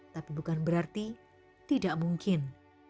tapi bukan berarti tidak mungkin